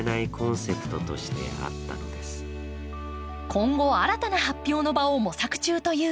今後、新たな発表の場を模索中という。